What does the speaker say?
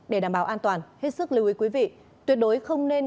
để đảm bảo an toàn hết sức lưu ý quý vị tuyệt đối không nên